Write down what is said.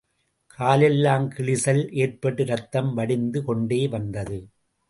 காலெல்லாம் கிழிசல் ஏற்பட்டு ரத்தம் வடிந்து கொண்டே வந்தது.